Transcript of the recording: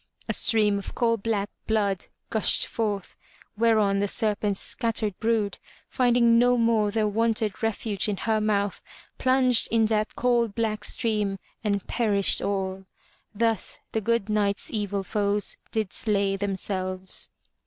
A stream of coal black blood gushed forth, whereon the serpent's scattered brood, finding no more their wonted refuge in her mouth, plunged in that coal black stream and perished all. Thus the good Knight's evil foes did slay themselves.